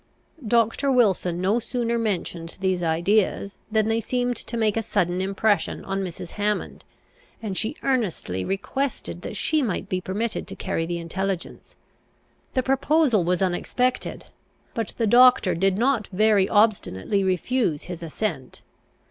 Doctor Wilson no sooner mentioned these ideas, than they seemed to make a sudden impression on Mrs. Hammond, and she earnestly requested that she might be permitted to carry the intelligence. The proposal was unexpected; but the doctor did not very obstinately refuse his assent.